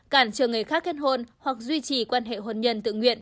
cản trở người khác kết hôn hoặc duy trì quan hệ hôn nhân tự nguyện